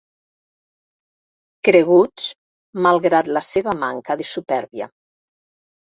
Creguts, malgrat la seva manca de supèrbia.